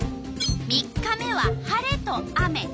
３日目は晴れと雨。